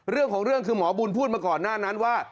เรื่องของเรื่องคือหมอบุญพูดมาก่อนหน้านั้นว่า